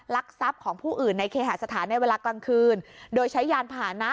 ลักทรัพย์ของผู้อื่นในเคหาสถานในเวลากลางคืนโดยใช้ยานผ่านนะ